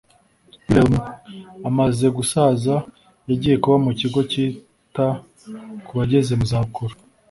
wilhelm amaze gusaza yagiye kuba mu kigo cyita ku bageze mu zabukuru